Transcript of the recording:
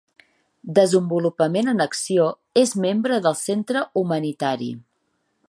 Desenvolupament en Acció és membre del centre humanitari.